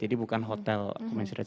jadi bukan hotel okupansi rate